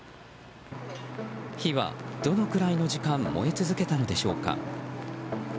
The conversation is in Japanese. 火は、どのくらいの時間燃え続けたのでしょうか。